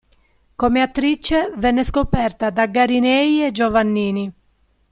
Come attrice venne scoperta da Garinei e Giovannini.